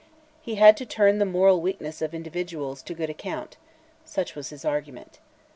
He had "to turn the moral weakness of individuals to good account," such was his argument.